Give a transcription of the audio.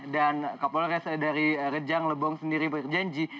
dan kapolres dari rejang lebong sendiri berjanji